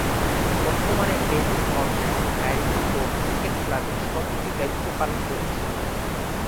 বর্তমানে David Morgan Marylebone cricket ক্লাবের সভাপতির দায়িত্ব পালন করছেন।